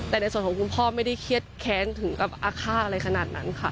แต่ในส่วนของคุณพ่อไม่ได้เครียดแค้นถึงกับอาฆาตอะไรขนาดนั้นค่ะ